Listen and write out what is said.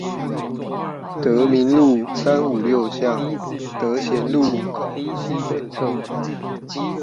德民路三五六巷德賢路口西北側